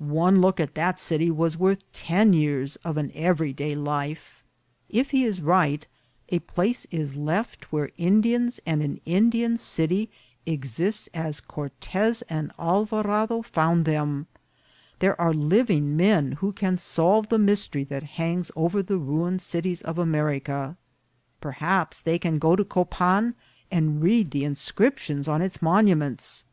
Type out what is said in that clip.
One look at that city was worth ten years of an every day life. If he is right, a place is left where Indians and an Indian city exist as Cortez and Alvarado found them ; there are living men who can solve the mystery that hangs over the ruined cities of America ; perhaps who can go to Copan and read the inscriptions on its monuments.